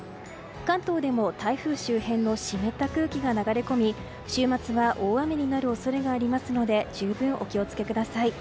関東でも台風周辺の湿った空気が流れ込み週末は大雨になる恐れがありますので十分、お気を付けください。